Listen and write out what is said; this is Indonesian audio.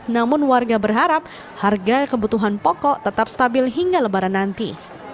namun warga berharap harga kebutuhan pokok tetap stabil hingga lebaran nanti